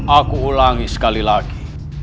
aku ulangi sekali lagi